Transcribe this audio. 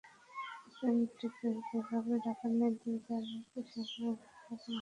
পেনটিকে যেভাবে রাখার নির্দেশ দেওয়া হয়েছে সেভাবে রাখলে কোনো সমস্যা হবে না।